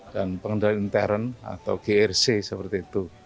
pengendalian intern atau grc seperti itu